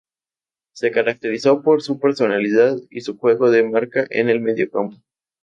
Se caracterizó por su personalidad y su juego de marca en el mediocampo.